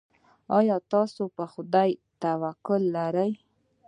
ایا تاسو په خدای توکل لرئ؟